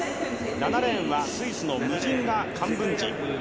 ７レーンはスイスのムジンガ・カンブンジ。